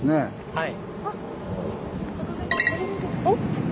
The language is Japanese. はい。